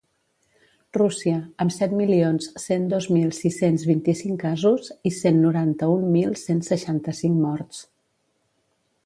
Rússia, amb set milions cent dos mil sis-cents vint-i-cinc casos i cent noranta-un mil cent seixanta-cinc morts.